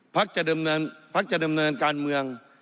พักจะดำเนินการเมือง